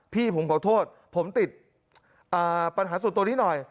พี่ผมขอโทษผมติดปัญหาส่วนตัวนี้หน่อย